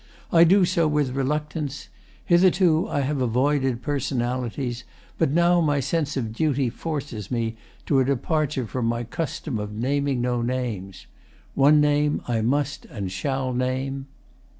I do so with reluctance. Hitherto I have avoided personalities. But now my sense of duty forces me To a departure from my custom of Naming no names. One name I must and shall Name.